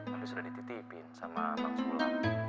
tapi sudah dititipin sama bang semula